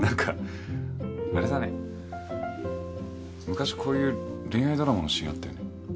昔こういう恋愛ドラマのシーンあったよね？